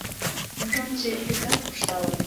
Мужаҥче декат куржталыт.